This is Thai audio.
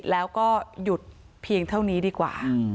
แล้วก็หยุดเพียงเท่านี้นะ